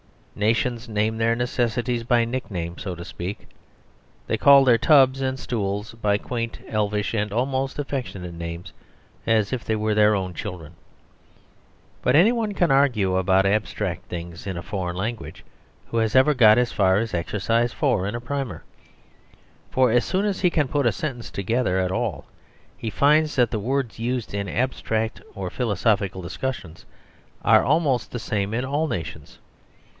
Nations name their necessities by nicknames, so to speak. They call their tubs and stools by quaint, elvish, and almost affectionate names, as if they were their own children! But any one can argue about abstract things in a foreign language who has ever got as far as Exercise IV. in a primer. For as soon as he can put a sentence together at all he finds that the words used in abstract or philosophical discussions are almost the same in all nations.